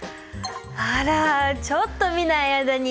あらちょっと見ない間に。